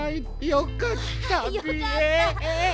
よかった！